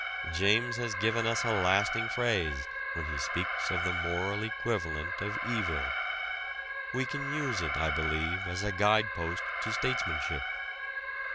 James has given us a lasting phrase when he speaks of the "moral equivalent" of evil. We can use it, I believe, as a guide post to statesmanship.